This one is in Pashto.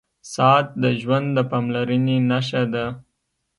• ساعت د ژوند د پاملرنې نښه ده.